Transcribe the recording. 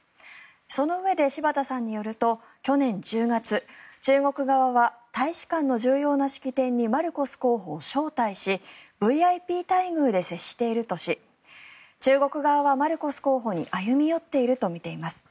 そのうえで、柴田さんによると去年１０月中国側は大使館の重要な式典にマルコス候補を招待しＶＩＰ待遇で接しているとし中国側はマルコス候補に歩み寄っていると見ています。